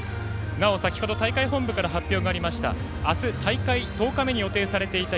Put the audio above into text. なお、先ほど大会本部から発表がありました明日、大会１０日目に予定されていました